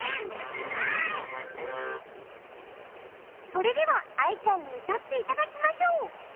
それではアイちゃんにうたっていただきましょう。